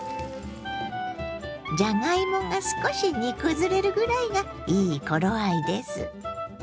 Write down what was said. じゃがいもが少し煮崩れるぐらいがいい頃合いです。